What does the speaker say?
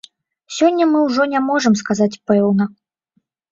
Сёння мы ўжо не можам сказаць пэўна.